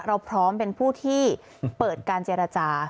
พร้อมเป็นผู้ที่เปิดการเจรจา